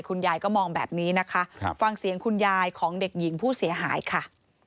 คุณยายก็มองแบบนี้นะคะฟังเสียงคุณยายของเด็กหญิงผู้เสียหายค่ะ